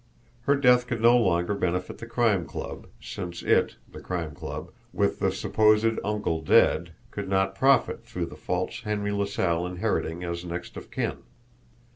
Her death could no longer benefit the Crime Club, since it, the Crime Club, with the supposed uncle dead, could not profit through the false Henry LaSalle inheriting as next of kin!